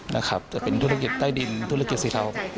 ถึงทุฤกษ์ใต้ดินทุธุฤกษ์สีเทา